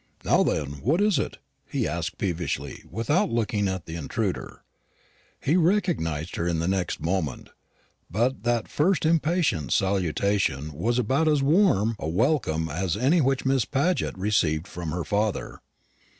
"Now, then, what is it?" he asked peevishly, without looking at the intruder. He recognised her in the next moment; but that first impatient salutation was about as warm a welcome as any which Miss Paget received from her father.